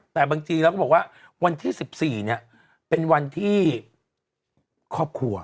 แต่บางทีเราก็บอกว่าวันที่๑๔เนี่ยเป็นวันที่ครอบครัว